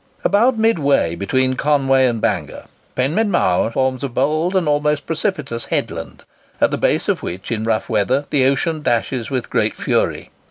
About midway between Conway and Bangor, Penmaen Mawr forms a bold and almost precipitous headland, at the base of which, in rough weather, the ocean dashes with great fury.